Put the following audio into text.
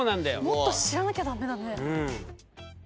もっと知らなきゃ駄目だね。